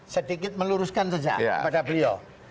sedikit meluruskan saja pada beliau